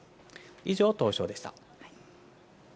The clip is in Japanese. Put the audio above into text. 以上、東証でした。